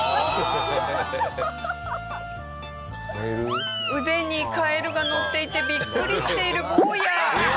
この腕にカエルがのっていてビックリしている坊や。